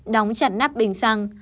đóng chặt nắp bình xăng